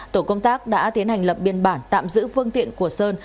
tổ công tác đã tiến hành lập biên bản tạm giữ phương tiện của sơn